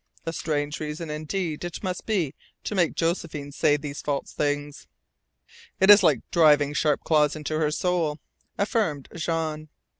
"A strange reason indeed it must be to make Josephine say these false things." "It is like driving sharp claws into her soul," affirmed Jean.